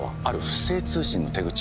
不正通信の手口。